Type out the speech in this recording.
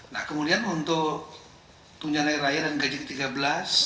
nah kemudian untuk tunjangan hari raya dan gaji ke tiga belas